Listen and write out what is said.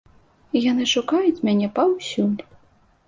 Яны шукаюць мяне паўсюль.